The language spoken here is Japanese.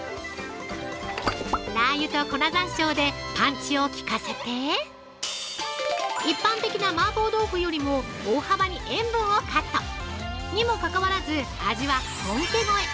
ラー油と粉山椒でパンチを効かせて一般的な麻婆豆腐よりも大幅に塩分をカット。にもかかわらず、味は本家超え！